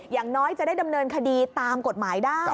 อย่างน้อยจะได้ดำเนินคดีตามกฎหมายได้